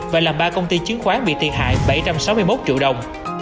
và làm ba công ty chứng khoán bị thiệt hại bảy trăm sáu mươi một triệu đồng